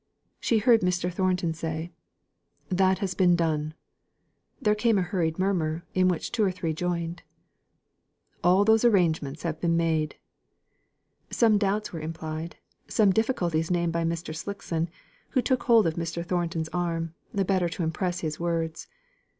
She heard Mr. Thornton say: "That has been done." Then came a hurried murmur, in which two or three joined. "All those arrangements have been made." Some doubts were implied, some difficulties named by Mr. Slickson, who took hold of Mr. Thornton's arm, the better to impress his words. Mr.